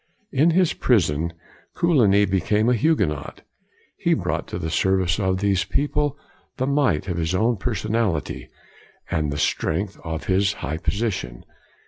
In his prison, Coligny became a Hugue not. He brought to the service of these people the might of his own personality, and the strength of his high position.